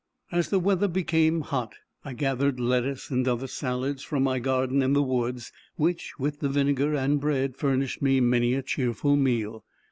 As the weather became hot, I gathered lettuce and other salads, from my garden in the woods; which, with the vinegar and bread, furnished me many a cheerful meal.